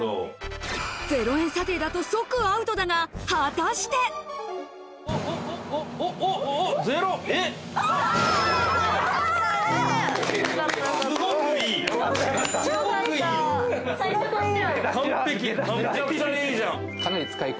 ０円査定だと即アウトだが、すごくいい！